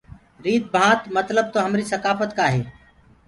ريٚت ڀانت متلب تو همريٚ سڪآڦت ڪآ هي؟